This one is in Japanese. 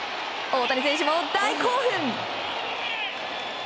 大谷選手も大興奮！